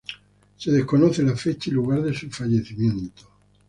Se desconoce la fecha y lugar de su fallecimiento.